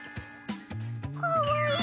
かわいい！